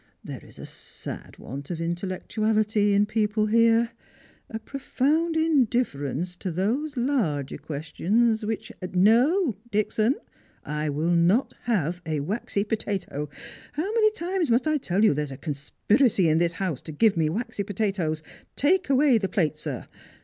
There is a sad want of intellectuality in people here! 374 Strangers and Pilgrims. a profound indifference to those larger questions whicli No, Dickson, I will not have a waxy potato; how many times must I tell you that there is a conspiracy in this house to give me waxy potatoes ! Take the plate away, sir